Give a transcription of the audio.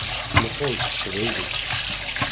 Tmeqqeṛ-d s teqbaylit.